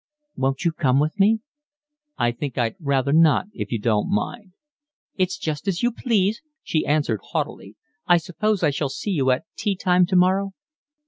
"Won't you come with me?" "I think I'd rather not if you don't mind." "It's just as you please," she answered haughtily. "I suppose I shall see you at tea time tomorrow?"